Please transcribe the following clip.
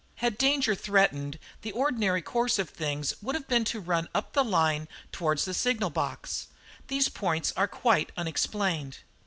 Had danger threatened, the ordinary course of things would have been to run up the line towards the signal box. These points are quite unexplained.